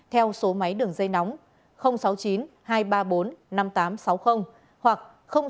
theo số máy đường dây nóng sáu mươi chín hai trăm ba mươi bốn năm nghìn tám trăm sáu mươi hoặc sáu mươi chín hai trăm ba mươi hai một nghìn sáu trăm